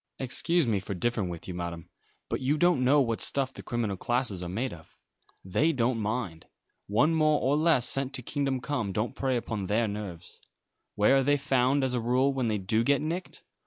"Excuse me for differing with you, Madam, but you don't know what stuff the criminal classes are made of. They don't mind. One more or less sent to kingdom come don't prey upon their nerves. Where are they found, as a rule, when they do get nicked?